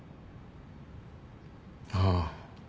ああ。